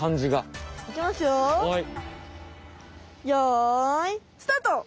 よいスタート！